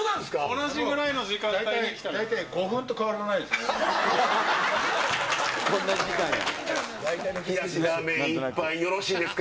同じぐらいの時間帯に来たん大体５分と変わらないですね。